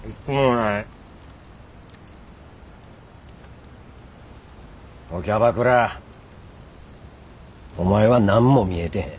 おいキャバクラお前は何も見えてへん。